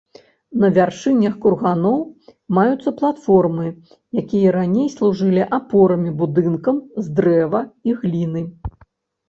На вяршынях курганоў маюцца платформы, якія раней служылі апорамі будынкам з дрэва і гліны.